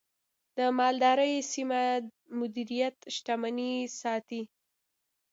د مالدارۍ سمه مدیریت، شتمني ساتي.